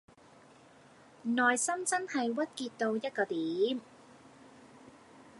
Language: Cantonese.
內心真係鬱結到一個點